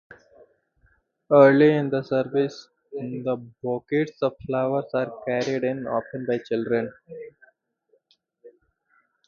Early in the service the bouquets of flowers are carried in, often by children.